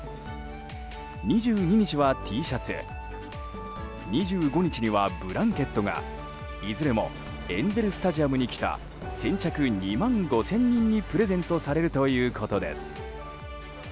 ２２日はＴシャツ２５日にはブランケットがいずれもエンゼル・スタジアムに来た先着２万５０００人にプレゼントされるということです。